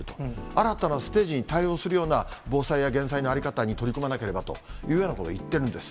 新たなステージに対応するような防災や減災の在り方に取り組まなければというようなことを言ってるんです。